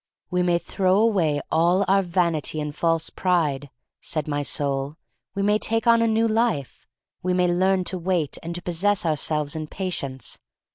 We may throw away all our vanity and false pride," said my soul. "We way take on a new life. We may learn to wait and to possess ourselves in patience.